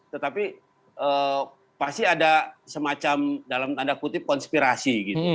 tetapi pasti ada semacam dalam tanda kutip konspirasi gitu